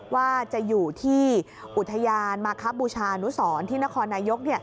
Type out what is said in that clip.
ว่าจะอยู่ที่อุทยานมาครับบูชานุสรที่นครนายก